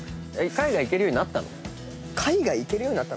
「海外行けるようになった」？